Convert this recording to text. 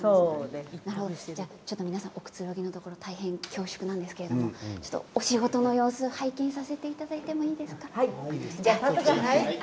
皆さんおくつろぎのところ大変恐縮なんですけどお仕事の様子を拝見させていただいてもよろしいですか？